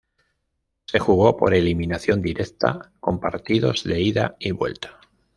Se jugó por eliminación directa con partidos de ida y vuelta.